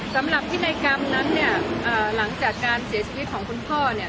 สำหรับพินัยกรรมนั้นเนี่ยหลังจากการเสียชีวิตของคุณพ่อเนี่ย